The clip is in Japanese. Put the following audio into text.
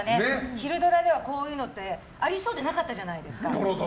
昼ドラではこういうのってありそうでなかったじゃないですか。